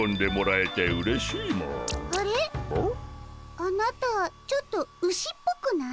あなたちょっとウシっぽくない？